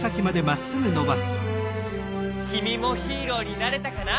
きみもヒーローになれたかな？